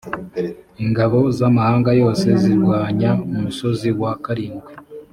ingabo z amahanga yose zirwanya umusozi wa karindwi